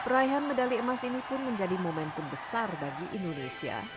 raihan medali emas ini pun menjadi momentum besar bagi indonesia